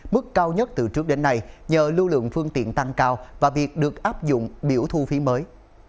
mức cao nhất từ trước đến nay nhờ lưu lượng phương tiện tăng cao và việc được áp dụng biểu thu phí mới